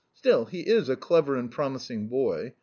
Still, he is a clever and promising boy.